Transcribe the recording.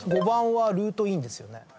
５番は「ルートイン」ですよね。